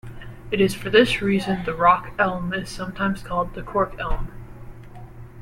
It is for this reason the rock elm is sometimes called the cork elm.